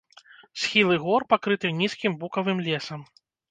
Схілы гор пакрыты нізкім букавым лесам.